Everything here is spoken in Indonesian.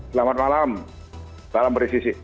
selamat malam salam presisi